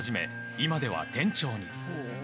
今では店長に。